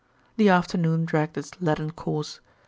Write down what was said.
The afternoon dragged its leaden course.